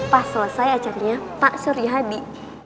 pas selesai acaranya pak surya hadi